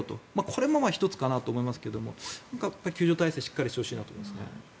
これも１つかなと思いますが救助体制はしっかりしてほしいなと思いますね。